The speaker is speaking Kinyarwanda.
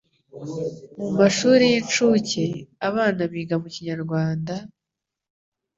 Mu mashuri y'incuke, abana biga mu Kinyarwanda,